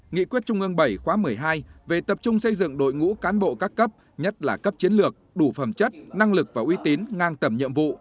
nghị quyết trung ương bảy khóa một mươi hai về tập trung xây dựng đội ngũ cán bộ các cấp nhất là cấp chiến lược đủ phẩm chất năng lực và uy tín ngang tầm nhiệm vụ